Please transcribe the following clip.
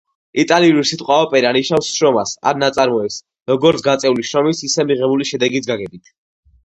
იტალიური სიტყვა opera ნიშნავს „შრომას“ ან „ნაწარმოებს“, როგორც გაწეული შრომის, ისე მიღებული შედეგის გაგებით.